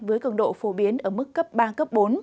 với cường độ phổ biến ở mức cấp ba cấp bốn